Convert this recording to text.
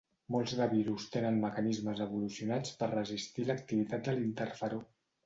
Molts de virus tenen mecanismes evolucionats per resistir l'activitat de l'interferó.